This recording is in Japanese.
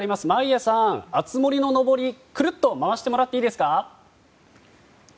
眞家さん、熱盛ののぼりをくるっと回してもらっていいですか？